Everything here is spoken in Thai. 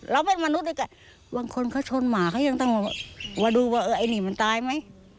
เป็นมนุษย์ด้วยกันบางคนเขาชนหมาเขายังต้องมาดูว่าเออไอ้นี่มันตายไหม